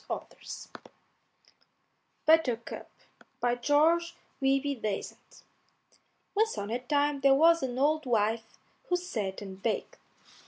BUTTERCUP BY GEORGE WEBBE DASENT Once on a time there was an old wife who sat and baked.